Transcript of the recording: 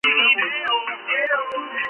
დეკორატიულია, აშენებენ ბაღებსა და პარკებში.